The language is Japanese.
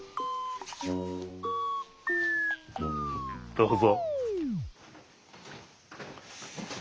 どうぞ。